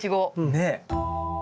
ねえ。